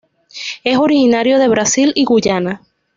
Es originario de Brasil y Guyana.